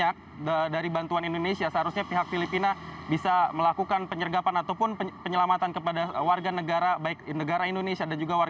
ada lima puluh sembilan tentara filipina yang gugur